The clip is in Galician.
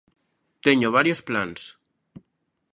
Teño varios plans.